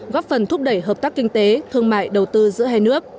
góp phần thúc đẩy hợp tác kinh tế thương mại đầu tư giữa hai nước